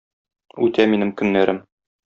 Үтә минем көннәрем.